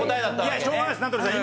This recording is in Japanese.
いやしょうがないです名取さん。